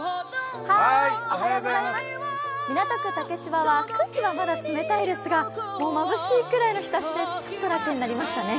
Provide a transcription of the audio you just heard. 港区竹芝は空気はまだ冷たいですが、もうまぶしいぐらいの日ざしで、ちょっと楽になりましたね。